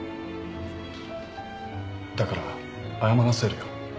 だから謝らせるよ。